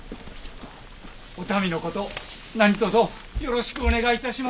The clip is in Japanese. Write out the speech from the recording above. お民のこと何とぞよろしくお願いいたします。